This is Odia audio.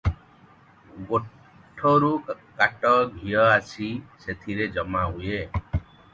ଗୋଠରୁ କାଟଘିଅ ଆସି ସେଥିରେ ଜମାହୁଏ ।